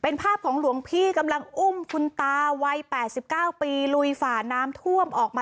น่าจะ๙๘ปีเนอะโหนี่เกือบร้อยแล้วนะ